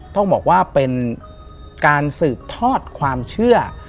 ต้องบอกว่าเป็นการสืบทอดความเชื่อ